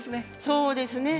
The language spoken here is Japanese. そうですね。